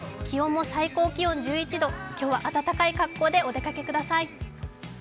気温も最高気温１１度今日は暖かい格好でお出かけください。